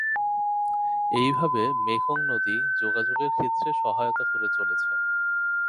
এইভাবে মেকং নদী যোগাযোগের ক্ষেত্রে সহায়তা করে চলেছে।